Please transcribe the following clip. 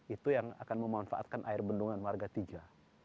itu yang akan memanfaatkan air bendungan marga tiga